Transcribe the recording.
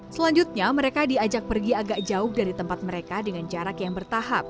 selanjutnya mereka diajak pergi agak jauh dari tempat mereka dengan jarak yang bertahap